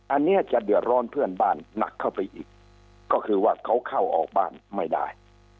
อันนี้จะเดือดร้อนเพื่อนบ้านหนักเข้าไปอีกก็คือว่าเขาเข้าออกบ้านไม่ได้